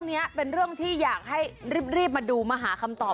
อันนี้เป็นเรื่องที่อยากให้รีบมาดูมาหาคำตอบ